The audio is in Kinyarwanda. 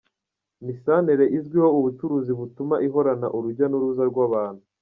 Ni santere izwiho ubucuruzi butuma ihorana urujya n’uruza rw’abantu.